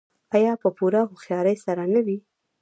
آیا په پوره هوښیارۍ سره نه وي؟